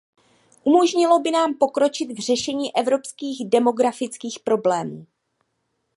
Umožnilo by nám pokročit v řešení evropských demografických problémů.